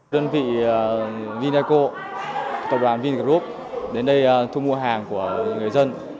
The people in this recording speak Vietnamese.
đơn vị vinaco tổng đoàn vin group đến đây thu mua hàng của người dân